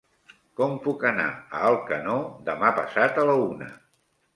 Com puc anar a Alcanó demà passat a la una?